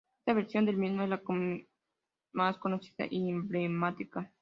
Esta versión del mismo es la más conocida y emblemática.